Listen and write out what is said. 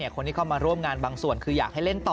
คนที่เข้ามาร่วมงานบางส่วนคืออยากให้เล่นต่อ